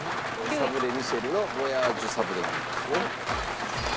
サブレミシェルのヴォヤージュサブレギフトですね。